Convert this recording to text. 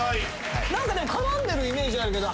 絡んでるイメージあるけど。